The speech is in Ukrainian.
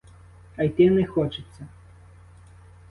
А йти не хочеться.